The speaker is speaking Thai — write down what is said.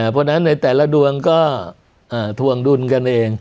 เพราะฉะนั้นในแต่ละดวงก็ทวงดุลกันเอง